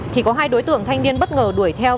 thì có hai đối tượng thanh niên bất ngờ đuổi theo